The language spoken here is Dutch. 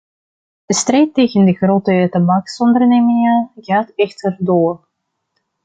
De strijd tegen de grote tabaksondernemingen gaat echter door.